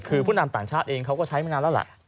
คือผู้นำต่างชาติเองเขาก็ใช้มานานแล้วแหละ